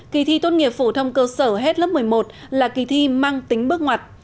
kỳ thi tốt nghiệp phổ thông cơ sở hết lớp một mươi một là kỳ thi mang tính bước ngoặt